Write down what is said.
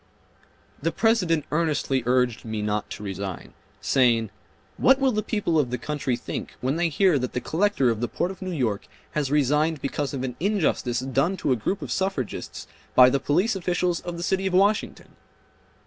The President earnestly urged me not to resign, saying, "What will the people of the country think when they hear that the Collector of the Port of New York has resigned because of an injustice done to a group of suffragists by the police officials of the city of Washington?"